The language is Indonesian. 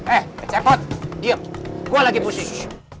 eh kecepot diep gua lagi pusing